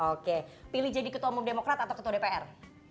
oke pilih jadi ketua umum demokrat atau ketua dpr